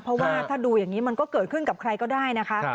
เพราะว่าถ้าดูอย่างนี้มันก็เกิดขึ้นกับใครก็ได้นะคะ